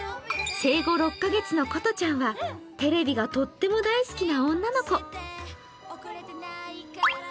生後６カ月のことちゃんはテレビが大好きな女の子。